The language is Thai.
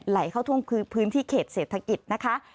เข้าท่วมพื้นที่เขตเศรษฐกิจนะคะ